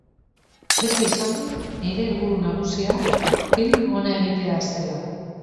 Beti esan dut nire helburu nagusia film ona egitea zela.